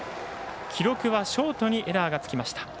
記録はショートにエラーがつきました。